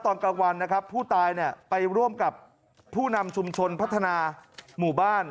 ตอนกลางวันนะครับผู้ตายเนี่ยไปร่วมกับผู้นำชุมชนพัฒนาหมู่บ้าน